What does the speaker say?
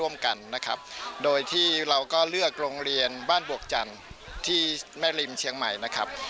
ร่วมกันนะครับโดยที่เราก็เลือกโรงเรียนบ้านบวกจันทร์ที่แม่ริมเชียงใหม่นะครับ